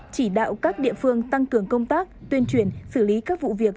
chỉ đạo các địa phương tăng cường công tác tuyên truyền xử lý các vụ việc